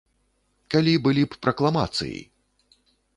Калі былі б пракламацыі!